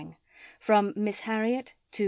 XIX. _From Miss Harriet to M.